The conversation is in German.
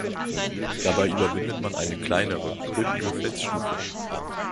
Dabei überwindet man eine kleinere, brüchige Felsstufe.